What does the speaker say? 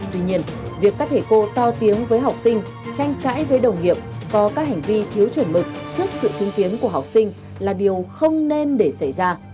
tuy nhiên việc các thầy cô to tiếng với học sinh tranh cãi với đồng nghiệp có các hành vi thiếu chuẩn mực trước sự chứng kiến của học sinh là điều không nên để xảy ra